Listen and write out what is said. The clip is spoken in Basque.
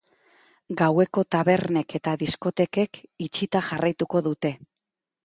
Gaueko tabernek eta diskotekek itxita jarraituko dute.